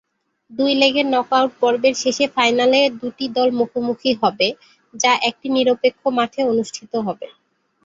দুই লেগের নকআউট পর্বের শেষে ফাইনালে দুটি দল মুখোমুখি হবে, যা একটি নিরপেক্ষ মাঠে অনুষ্ঠিত হবে।